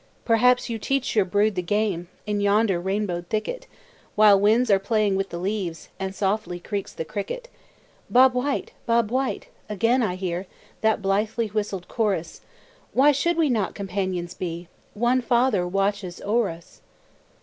Perhaps you teach your brood the game, In yonder rainbowed thicket, While winds are playing with the leaves, And softly creeks the cricket. "Bob White! Bob White!" again I hear That blithely whistled chorus; Why should we not companions be? One Father watches o'er us!